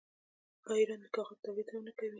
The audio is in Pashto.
آیا ایران د کاغذ تولید هم نه کوي؟